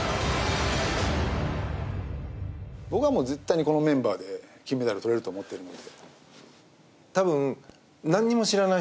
僕は絶対にこのメンバーで金メダルとれると思っているので。